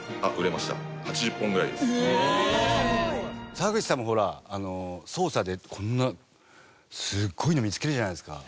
沢口さんもほら捜査でこんなすごいの見つけるじゃないですか。